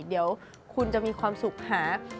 เดี๋ยวคุณจะมีความสุขหา